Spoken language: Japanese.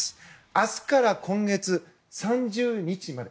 明日から今月３０日まで。